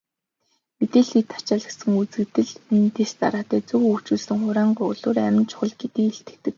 Мэдээлэл хэт ачаалагдах үзэгдэл нь дэс дараатай, зөв хөгжүүлсэн хураангуйлуур амин чухал гэдгийг илтгэдэг.